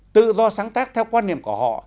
tự do sáng tác theo quan niệm của họ